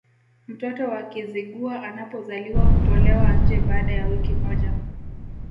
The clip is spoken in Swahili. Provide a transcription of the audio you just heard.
Mtoto wa Kizigua anapozaliwa hutolewa nje baada ya wiki moja